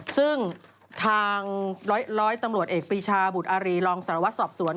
ซึ่งทางร้อยตำรวจเอกปีชาบุตรอารีรองสารวัตรสอบสวน